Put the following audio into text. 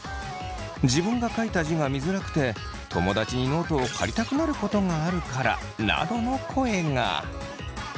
自分が書いた字が見づらくて友だちにノートを借りたくなることがあるからなどの声が。